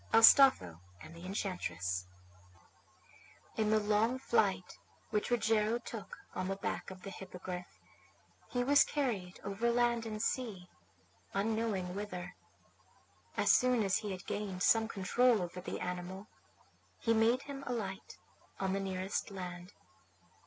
ASTOLPHO AND THE ENCHANTRESS In the long flight which Rogero took on the back of the Hippogriff he was carried over land and sea, unknowing whither. As soon as he had gained some control over the animal he made him alight on the nearest land.